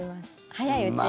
早いうちに。